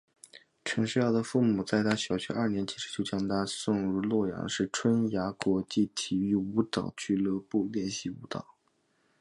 陈世瑶的父母在她小学二年级时就将她送进洛阳市春芽国际体育舞蹈俱乐部练习舞蹈。